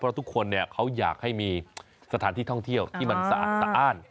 เพราะทุกคนเขาอยากให้มีสถานที่ท่องเที่ยวที่มันสะอ้าน